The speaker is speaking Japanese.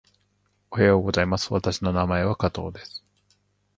おはようございます。私の名前は加藤です。